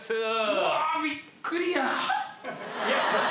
うわー、びっくりや。